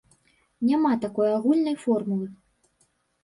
Няма такой агульнай формулы.